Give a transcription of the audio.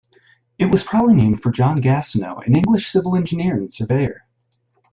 It was probably named for John Gastineau, an English Civil Engineer and Surveyor.